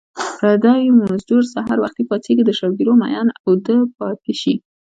پردی مزدور سحر وختي پاڅېږي د شوګیرو مین اوده پاتې شي